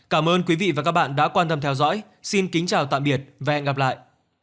cảm ơn quý vị và các bạn đã quan tâm theo dõi xin kính chào tạm biệt và hẹn gặp lại